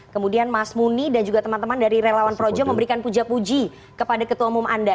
kemudian mas muni dan juga teman teman dari relawan projo memberikan puja puji kepada ketua umum anda